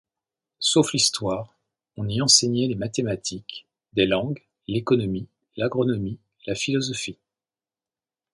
Sauf l’histoire, on y enseignait les mathématiques, des langues, l’économie, l’agronomie, la philosophie.